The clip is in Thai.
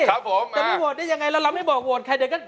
แต่ไม่โหวดได้ยังไงแล้วเราไม่บอกเราไม่บอกว่าไข่เดอะ